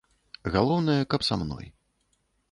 Галоўнае, каб са мной.